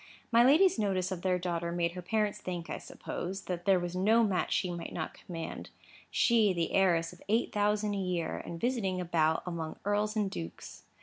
My lady's notice of their daughter made her parents think, I suppose, that there was no match that she might not command; she, the heiress of eight thousand a year, and visiting about among earls and dukes.